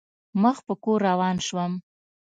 مخ په کور روان شوم.